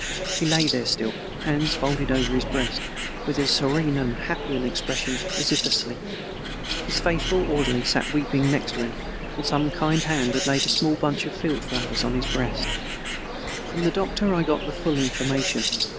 He lay there still, hands folded over his breast with as serene and happy an expression as if asleep. His faithful orderly sat weeping next to him, and some kind hand had laid a small bunch of field flowers on his breast. From the doctor I got the full information.